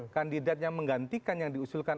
kandidat yang menggantikan yang diusulkan